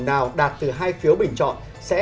nào đạt từ hai phiếu bình chọn sẽ